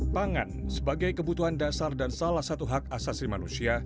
pangan sebagai kebutuhan dasar dan salah satu hak asasi manusia